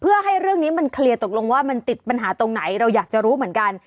เพื่อให้เรื่องนี้มันเคลียร์ตกลงว่ามันติดปัญหาตรงไหนเราอยากจะรู้เหมือนกัน